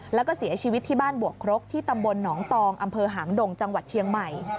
แล้วก็เสียชีวิตที่บ้านบวกครกที่ตำบลหนองตองอำเภอหางดงจังหวัดเชียงใหม่